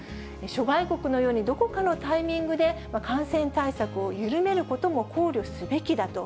諸外国のようにどこかのタイミングで感染対策を緩めることも考慮すべきだと。